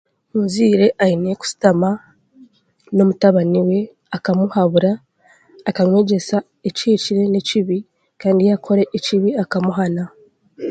Omuzaire aine kusitama n'omutabani we akamuhabura akamwegyesa ekihikire n'ekibi kandi yaakora ekibi akamuhana